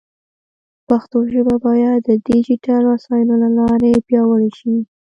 پښتو ژبه باید د ډیجیټل وسایلو له لارې پیاوړې شي.